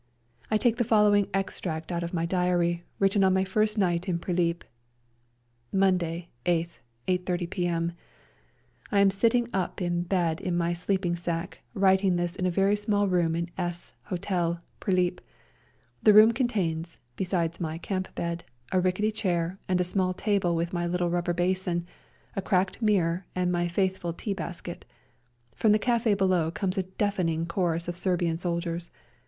I take the following extract out of my B2 8 REJOINING THE SERBIANS diary, written on my first night in Prilip : ''Monday, 8th, 8.30 p.m.— I am sitting up in bed in my sleeping sack, writing this in a very small room in S Hotel, Prilip. The room contains (besides my camp bed) a rickety chair, and a small table with my little rubber basin, a cracked mirror and my faithful tea basket. From the cafe below comes a deafening chorus of Serbian soldiers.